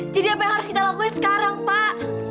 jadi apa yang harus kita lakuin sekarang pak